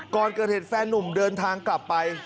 ก่อนเกิดเหตุแฟนนุ่มเดินทางกลับไป